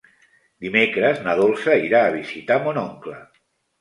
Dimecres na Dolça irà a visitar mon oncle.